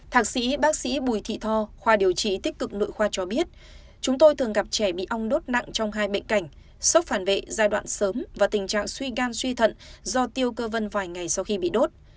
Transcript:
thạc sĩ bác sĩ bùi thị tho khoa điều trị tích cực nội khoa cho biết chúng tôi thường gặp trẻ bị ong đốt nặng trong hai bệnh cảnh sốc phản vệ giai đoạn sớm và tình trạng suy gan suy thận do tiêu cơ vân vài ngày sau khi bị đốt